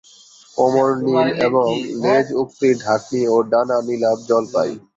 কোমর নীল এবং লেজউপরি-ঢাকনি ও ডানা নীলাভ-জলপাই।